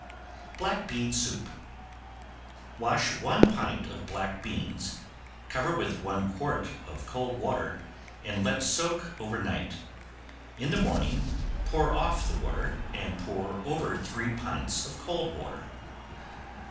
~BLACK BEAN SOUP~ Wash one pint of black beans, cover with one quart of cold water and let soak over night. In the morning pour off the water and pour over three pints of cold water.